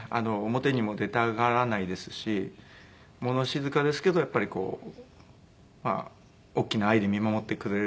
表にも出たがらないですし物静かですけどやっぱりこう大きな愛で見守ってくれる感じですかね。